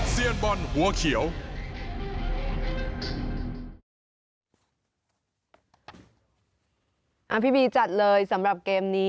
พี่บีจัดเลยสำหรับเกมนี้